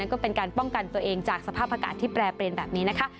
ก็เป็นการป้องกันตัวเองจากสภาพอากาศที่แปรเปลี่ยนแบบนี้นะคะ